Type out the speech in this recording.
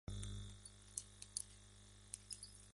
Una botella de lejía